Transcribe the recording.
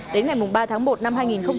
đến ngày ba tháng một năm hai nghìn một mươi tám